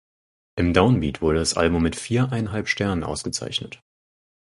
Im Down Beat wurde das Album mit viereinhalb Sternen ausgezeichnet.